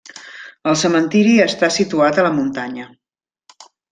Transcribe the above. El cementiri està situat a la muntanya.